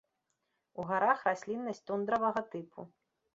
У гарах расліннасць тундравага тыпу.